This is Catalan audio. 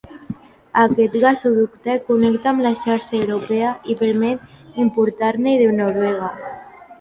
Aquest gasoducte connecta amb la xarxa europea i permet importar-ne de Noruega.